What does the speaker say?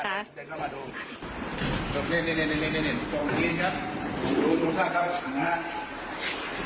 เดี๋ยวเข้ามาดูนี่นี่นี่นี่นี่นี่นี่นี่นี่นี่นี่นี่นี่นี่